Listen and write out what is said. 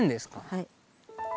はい。